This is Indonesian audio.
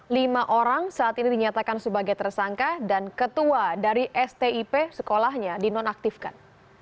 lima orang saat ini dinyatakan sebagai tersangka dan ketua dari stip sekolahnya dinonaktifkan